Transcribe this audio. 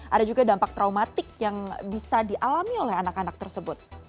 ada juga dampak traumatik yang bisa dialami oleh anak anak tersebut